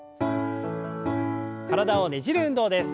体をねじる運動です。